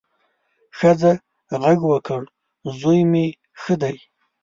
ښځه غږ وکړ، زوی مې ښه دی.